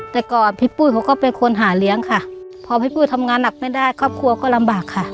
แต่ก่อนพี่ปุ้ยเขาก็เป็นคนหาเลี้ยงค่ะพอพี่ปุ้ยทำงานหนักไม่ได้ครอบครัวก็ลำบากค่ะ